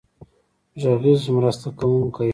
غږیز مرسته کوونکی.